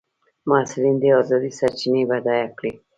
محصلین دي ازادې سرچینې بډایه کړي.